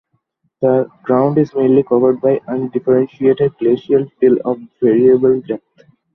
The ground is mainly covered by undifferentiated glacial till of variable depth.